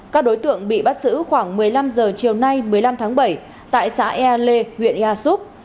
các đối tượng bị bắt giữ khoảng một mươi năm h chiều nay một mươi năm tháng bảy tại xã ea lê huyện ea súp